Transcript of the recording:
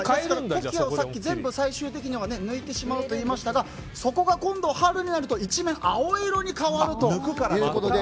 コキアを最終的には抜いてしまうといいましたがそこが今度、春になると一面青色に変わるということで。